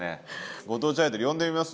ご当地アイドル呼んでみます？